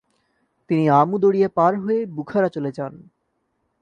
তিনি আমু দরিয়া পার হয়ে বুখারা চলে যান।